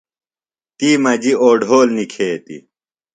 تی مجیۡ اوڈھول نِکھیتیۡ۔